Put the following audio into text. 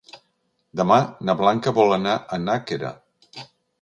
Demà na Blanca vol anar a Nàquera.